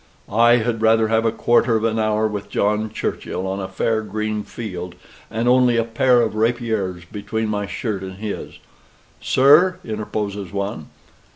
"I had rather have a quarter of an hour with John Churchill, on a fair green field, and only a pair of rapiers between my shirt and his " "Sir!" interposes one.